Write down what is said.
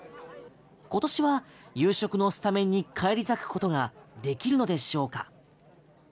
今年は夕食のスタメンに返り咲くことができるのでしょうか？